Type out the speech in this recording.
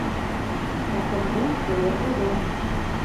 Закондың ҡулы оҙон.